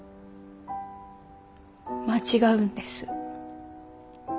間違うんです。